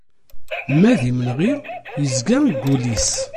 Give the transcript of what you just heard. Ma d imenɣi yezga deg wul-is.